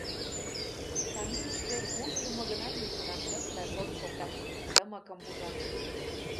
Каминыште пу йӱлымӧ гына южгунам шырт да шорт шокта, тымыкым пужа.